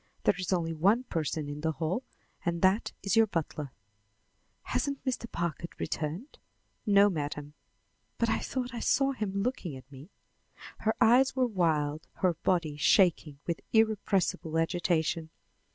There is only one person in the hall, and that is your butler." "Hasn't Mr. Packard returned?" "No, Madam." "But I thought I saw him looking at me." Her eyes were wild, her body shaking with irrepressible agitation.